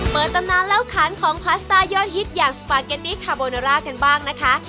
ตำนานเล่าขานของพาสต้ายอดฮิตอย่างสปาเกตตี้คาโบนาร่ากันบ้างนะคะ